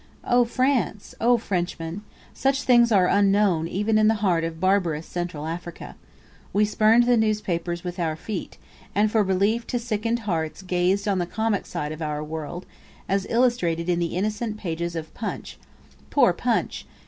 Oh France! Oh Frenchmen! Such things are unknown even in the heart of barbarous Central Africa. We spurned the newspapers with our feet; and for relief to sickened hearts gazed on the comic side of our world, as illustrated in the innocent pages of 'Punch.' Poor 'Punch!'